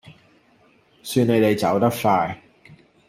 算你哋走得快